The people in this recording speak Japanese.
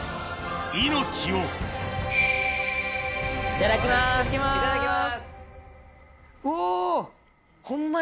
いただきます。